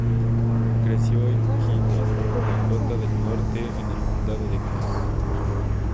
Creció en Kindred, Dakota del Norte, en el condado de Cass.